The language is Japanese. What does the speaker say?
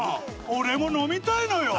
俺も飲みたいのよ！